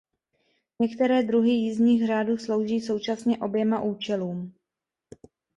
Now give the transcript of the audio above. Některé druhy jízdních řádů slouží současně oběma účelům.